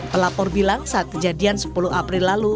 pelapor bilang saat kejadian sepuluh april lalu